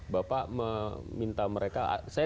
bapak meminta mereka